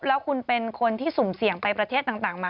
แล้วคุณเป็นคนที่สุ่มเสี่ยงไปประเทศต่างมา